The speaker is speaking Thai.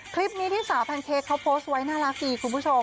คลิปนี้ที่สาวแพนเค้กเขาโพสต์ไว้น่ารักดีคุณผู้ชม